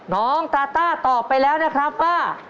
น้องตาต้าตอบไปแล้วนะครับว่า